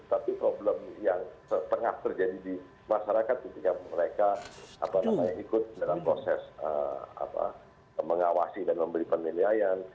tapi problem yang setengah terjadi di masyarakat ketika mereka ikut dalam proses mengawasi dan memberi penilaian